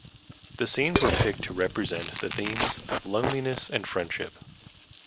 The scenes were picked to represent the themes of loneliness and friendship.